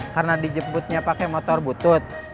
karena dijemputnya pake motor butut